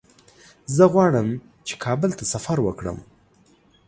زه غواړم چې کابل ته سفر وکړم.